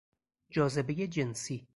جاذبهی جنسی